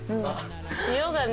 塩がね